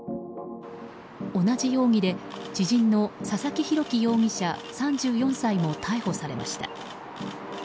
同じ容疑で知人の佐々木洋樹容疑者、３４歳も逮捕されました。